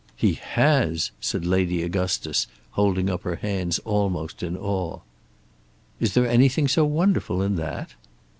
"He has!" said Lady Augustus, holding up her hands almost in awe. "Is there anything so wonderful in that?"